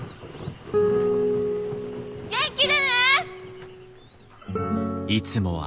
元気でね！